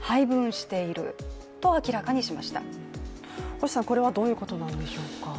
星さん、これはどういうことなんでしょうか。